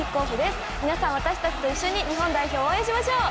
皆さん私たちと一緒に日本代表を応援しましょう！